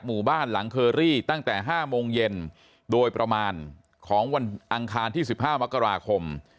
หมู่บ้านหลังเคอรี่ตั้งแต่๕โมงเย็นโดยประมาณของวันอังคารที่๑๕มกราคม